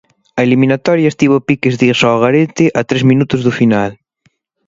A eliminatoria estivo a piques de irse ao garete a tres minutos do final.